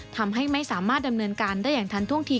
ทำให้ไม่สามารถดำเนินการได้อย่างทันท่วงที